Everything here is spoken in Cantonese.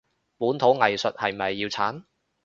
本土藝術係咪要撐？